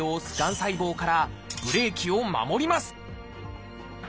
細胞からブレーキを守ります